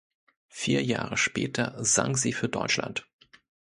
Vier Jahre später sang sie für Deutschland.